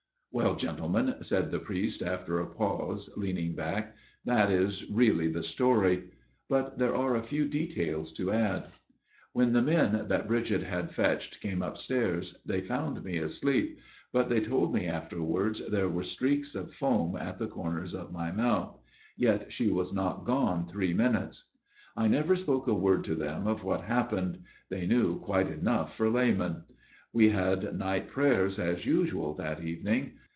" Well, gentlemen," said the priest after a pause, leaning back, " that is really the story. But there are a few details to add. " When the men that Bridget had fetched came upstairs, they found me asleep ; but, they told me afterwards, there were streaks of foam at the 136 A MIRROR OF SHALOTT corners of my mouth. Yet she was not gone three minutes. " I never spoke a word to them of what hap pened they knew quite enough for laymen. We had night prayers as usual that evening.